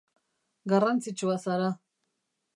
Garrantzitsua zara.